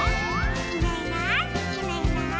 「いないいないいないいない」